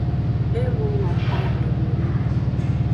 E luno xwan xwedowonu.